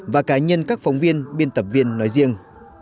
và cá nhân các phóng viên biên tập viên nói riêng